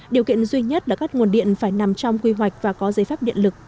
điều kiện duy nhất là các nguồn điện phải nằm trong quy hoạch và có giấy phép điện lực